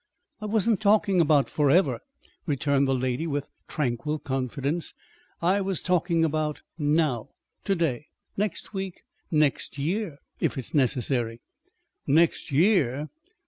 "I wasn't talking about forever," returned the lady, with tranquil confidence. "I was talking about now, to day, next week, next year, if it's necessary." "_Next year!